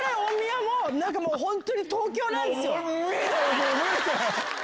もう無理だよ！